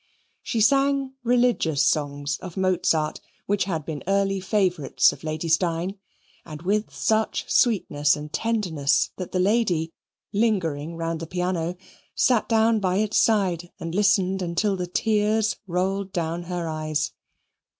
She sang religious songs of Mozart, which had been early favourites of Lady Steyne, and with such sweetness and tenderness that the lady, lingering round the piano, sat down by its side and listened until the tears rolled down her eyes.